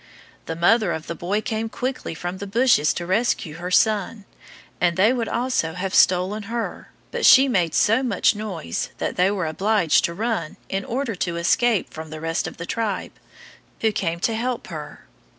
The mother of the boy came quickly from some bushes to rescue her son, and they would also have stolen her, but she made so much noise that they were obliged to run in order to escape from the rest of the tribe, who came to help her.